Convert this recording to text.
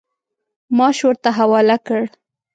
معاش ورته حواله کړ.